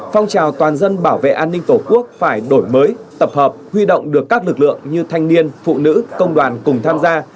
phong trào toàn dân bảo vệ an ninh tổ quốc phải đổi mới tập hợp huy động được các lực lượng như thanh niên phụ nữ công đoàn cùng tham gia